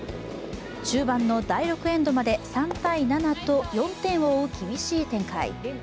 中盤の第６エンドまで３−７と４点を追う厳しい展開。